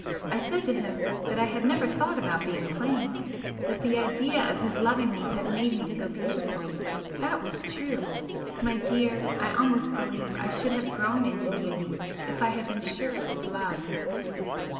I said to him that I had never thought about being plain, that the idea of his loving me had made me feel beautiful. That was true! my dear, I almost believe I should have grown into beauty if I had been sure of his love."